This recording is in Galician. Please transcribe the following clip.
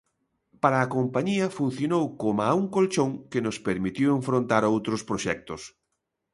Para a compañía funcionou coma un colchón que nos permitiu enfrontar outros proxectos.